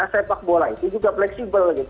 sepak bola itu juga fleksibel gitu